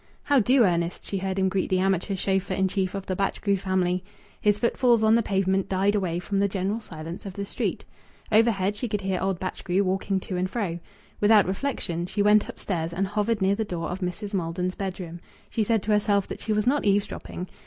"How do, Ernest!" she heard him greet the amateur chauffeur in chief of the Batchgrew family. His footfalls on the pavement died away into the general silence of the street. Overhead she could hear old Batchgrew walking to and fro. Without reflection she went upstairs and hovered near the door of Mrs. Maldon's bedroom. She said to herself that she was not eavesdropping.